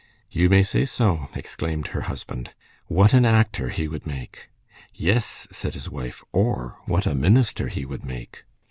"You may say so," exclaimed her husband. "What an actor he would make!" "Yes," said his wife, "or what a minister he would make!